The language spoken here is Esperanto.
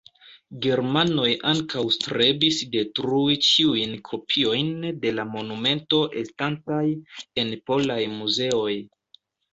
Germanoj ankaŭ strebis detrui ĉiujn kopiojn de la monumento estantaj en polaj muzeoj.